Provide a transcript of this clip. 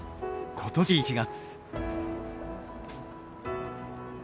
今年１月。